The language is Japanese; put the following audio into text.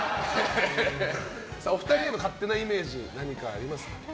お二人の勝手なイメージ何かありますか？